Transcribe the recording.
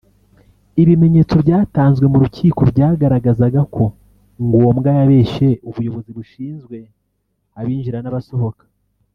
Ibimenyetso byatanzwe mu rukiko byagaragazaga ko Ngombwa yabeshye ubuyobozi bushinzwe abinjira n’abasohoka